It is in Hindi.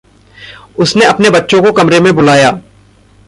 उसने अपने बच्चों को कमरे में बुलाया।